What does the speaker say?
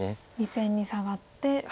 ２線にサガって。